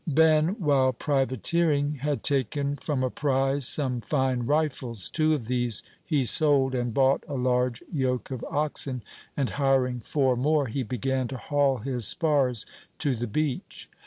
Ben, while privateering, had taken from a prize some fine rifles; two of these he sold, and bought a large yoke of oxen, and hiring four more, he began to haul his spars to the beach.